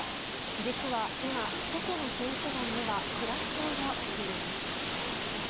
実は今、チェコの選手団ではクラスターが起きているんです。